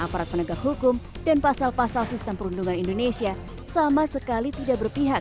aparat penegak hukum dan pasal pasal sistem perundungan indonesia sama sekali tidak berpihak